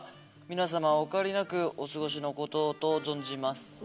皆様お変わりなくお過ごしのことと存じます」。